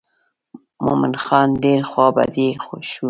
مومن خان ډېر خوا بډی شو.